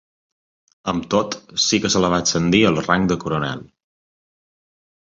Amb tot, sí que se la va ascendir al rang de coronel.